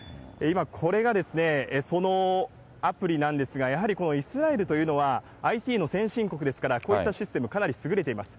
これがそのアプリなんですが、やはりイスラエルというのは、ＩＴの先進国ですから、こういったシステム、かなり優れています。